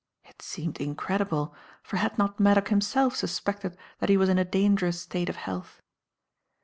It seemed incredible, for had not Maddock himself suspected that he was in a dangerous state of health.